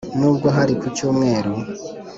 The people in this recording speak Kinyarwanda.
N'ubwo hari ku cyumweru